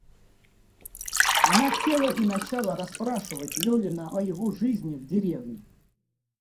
Она села и начала расспрашивать Левина о его жизни в деревне.